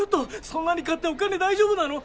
そんなに買ってお金大丈夫なの？